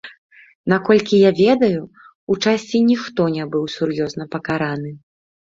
Наколькі я ведаю, у часці ніхто не быў сур'ёзна пакараны.